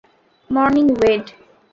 Morning, ওয়েড!